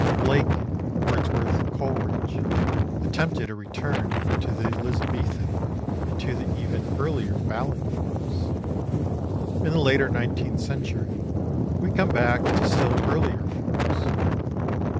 Blake, Wordsworth, Coleridge, attempted a return to the Elizabethan and to the even earlier ballad forms. In the later nineteenth century we come back to still earlier forms.